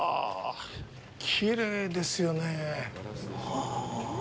きれいですよねぇ。